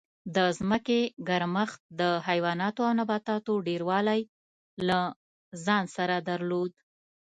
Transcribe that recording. د ځمکې ګرمښت د حیواناتو او نباتاتو ډېروالی له ځان سره درلود